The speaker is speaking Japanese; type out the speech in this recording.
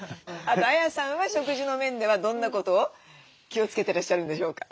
あとＡＹＡさんは食事の面ではどんなことを気をつけてらっしゃるんでしょうか？